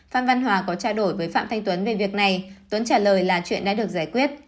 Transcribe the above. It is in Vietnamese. phan văn hòa có trao đổi với phạm thanh tuấn về việc này tuấn trả lời là chuyện đã được giải quyết